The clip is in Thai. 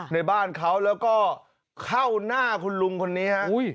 ในบ้านเขาแล้วก็เข้าหน้าคุณลุงคนนี้ฮะ